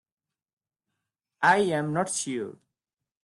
I am not sure.